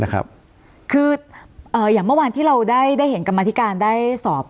คืออย่างเมื่อวานที่เราได้เห็นกรรมธิการได้สอบ